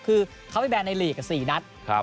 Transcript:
คือเขาไม่แบนในลีกกับ๔นัดครับ